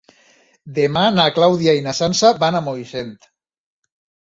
Demà na Clàudia i na Sança van a Moixent.